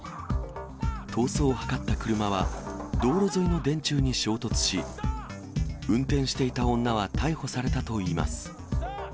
逃走を図った車は、道路沿いの電柱に衝突し、運転していた女は逮捕されたといいます。